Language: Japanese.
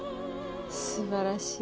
すばらしい。